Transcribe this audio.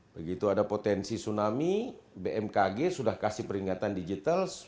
begitu ada potensi tsunami bmkg sudah kasih peringatan digital